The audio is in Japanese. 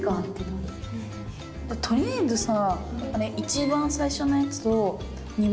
とりあえずさ